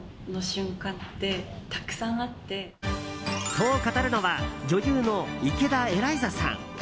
と語るのは女優の池田エライザさん。